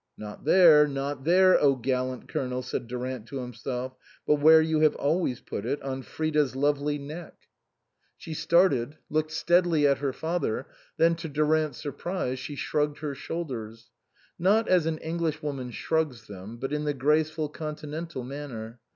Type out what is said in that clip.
("Not there, not there, oh gallant Colonel," said Durant to himself, " but where you have always put it, on Frida's lovely neck.") 118 INLAND She started, looked steadily at her father, then to Durant's surprise she shrugged her shoulders ; not as an Englishwoman shrugs them, but in the graceful continental manner.